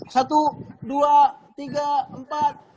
satu dua tiga empat